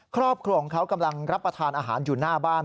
ครอบครัวของเขากำลังรับประทานอาหารอยู่หน้าบ้าน